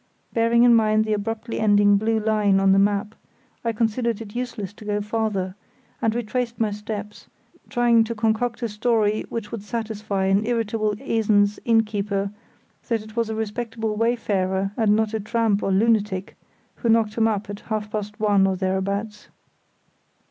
Bearing in mind the abruptly ending blue line on the map, I considered it useless to go farther, and retraced my steps, trying to concoct a story which would satisfy an irritable Esens inn keeper that it was a respectable wayfarer, and not a tramp or a lunatic, who knocked him up at half past one or thereabouts.